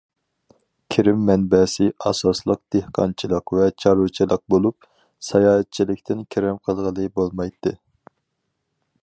كىرىم مەنبەسى ئاساسلىق دېھقانچىلىق ۋە چارۋىچىلىق بولۇپ، ساياھەتچىلىكتىن كىرىم قىلغىلى بولمايتتى.